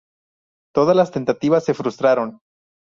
Todas las tentativas se frustraron.